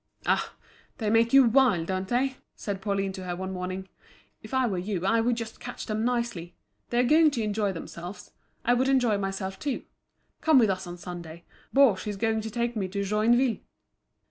"Ah, they make you wild, don't they?" said Pauline to her one morning. "If I were you I would just catch them nicely! They are going to enjoy themselves. I would enjoy myself too. Come with us on Sunday, Baugé is going to take me to Joinville."